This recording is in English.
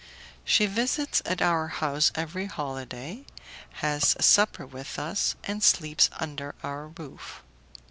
She visits at our house every holiday, has supper with us, and sleeps under our roof.